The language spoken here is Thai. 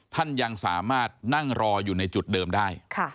ท่านยังสามารถนั่งรออยู่ในจุดเดิมได้